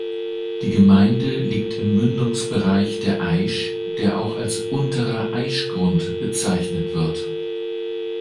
Die Gemeinde liegt im Mündungsbereich der Aisch, der auch als „Unterer Aischgrund“ bezeichnet wird.